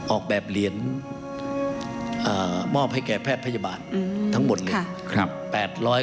ออกแบบเหรียญมอบให้แก่แพทย์พยาบาลทั้งหมดเลย